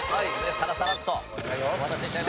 サラサラッと。